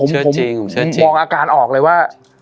เชื่อจริงเชื่อจริงผมมองอาการออกเลยว่า